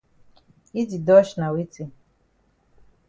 Yi di dodge na weti?